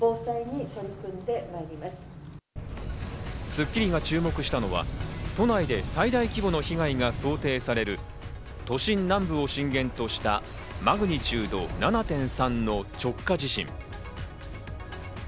『スッキリ』が注目したのは都内で最大規模の被害が想定される、都心南部を震源としたマグニチュード７．３の直下地震。